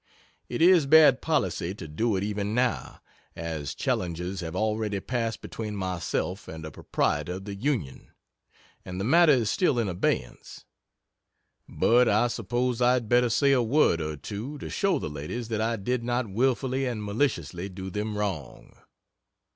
It is bad policy to do it even now (as challenges have already passed between myself and a proprietor of the Union, and the matter is still in abeyance,) but I suppose I had better say a word or two to show the ladies that I did not wilfully and maliciously do them a wrong.